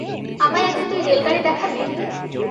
আমায় একদিন তুই রেলগাড়ি দেখাবি?